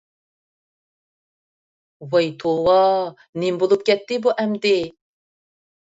ۋاي توۋا، نېمە بولۇپ كەتتى بۇ ئەمدى.